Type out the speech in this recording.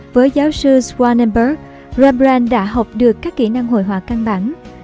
với giáo sư swanenberg rembrandt đã học được các kỹ năng hội họa căng bản